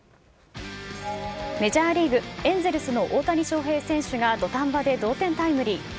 メジャーリーグ・エンゼルスの大谷翔平選手が、土壇場で同点タイムリー。